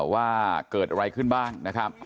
ว่าเกิดอะไรขึ้นบ้างนะครับ